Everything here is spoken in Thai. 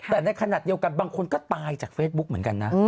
แต่ในขณะเดียวกันบางคนก็ตายจากเฟซบุ๊กเหมือนกันนะ